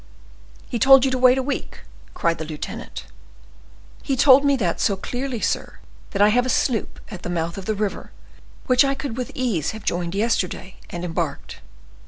"He told you to wait a week!" cried the lieutenant. "He told me that so clearly, sir, that I have a sloop at the mouth of the river, which I could with ease have joined yesterday, and embarked.